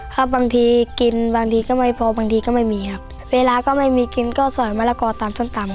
ครับบางทีกินบางทีก็ไม่พอบางทีก็ไม่มีครับเวลาก็ไม่มีกินก็สอยมะละกอตามส้มตำ